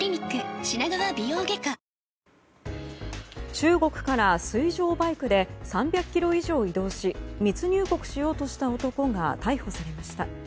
中国から水上バイクで３００ｋｍ以上移動し密入国しようとした男が逮捕されました。